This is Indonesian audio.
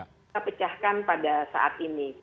kita pecahkan pada saat ini